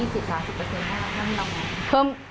๒๐๓๐ถ้านั่งลำไหน